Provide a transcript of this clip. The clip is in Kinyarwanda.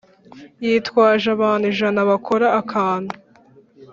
yitwaje abantu ijana bakora akantu